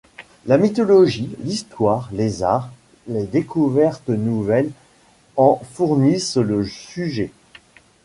La mythologie, l’histoire, les arts, les découvertes nouvelles en fournissent le sujet.